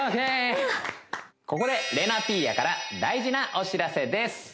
ここで玲奈ピーヤから大事なお知らせです